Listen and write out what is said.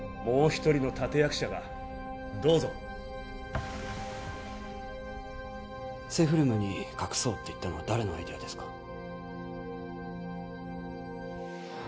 もう一人の立役者がどうぞセーフルームに隠そうって言ったのは誰のアイデアですか？